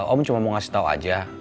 om cuma mau ngasih tau aja